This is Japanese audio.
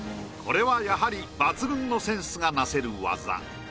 これはやはり抜群のセンスがなせる技。